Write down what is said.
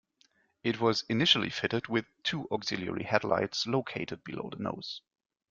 It was initially fitted with two auxiliary headlights located below the nose.